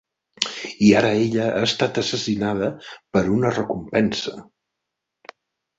I ara ella ha estat assassinada per una recompensa!